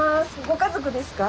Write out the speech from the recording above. ご家族ですか？